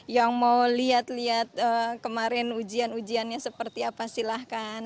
yang mau lihat lihat kemarin ujian ujiannya seperti apa silahkan